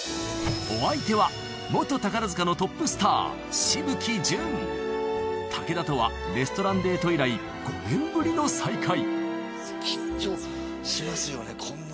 お相手は宝塚のトップスター紫吹淳武田とはレストランデート以来５年ぶりの再会緊張